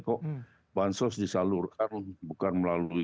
kok bansos disalurkan bukan melalui